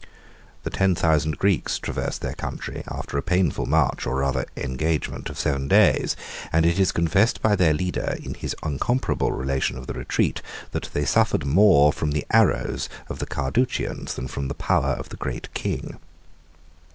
The ten thousand Greeks traversed their country, after a painful march, or rather engagement, of seven days; and it is confessed by their leader, in his incomparable relation of the retreat, that they suffered more from the arrows of the Carduchians, than from the power of the Great King.